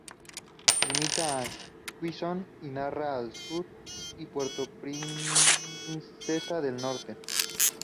Limita con Quezón y Narra al sur, y Puerto Princesa al norte.